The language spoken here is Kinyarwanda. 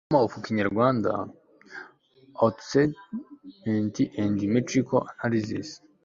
grammar of kinyarwanda an autosegmental and metrical analysis